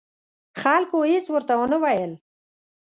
خلکو هېڅ ورته ونه ویل.